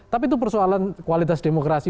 tapi itu persoalan kualitas demokrasi